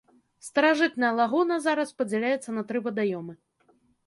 Старажытная лагуна зараз падзяляецца на тры вадаёмы.